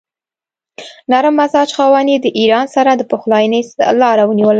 نرم مزاج خاوند یې د ایران سره د پخلاینې لاره ونیوله.